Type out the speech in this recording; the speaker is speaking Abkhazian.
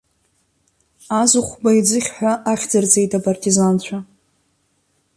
Азыхәба иӡыхь ҳәа ахьӡырҵеит апартизанцәа.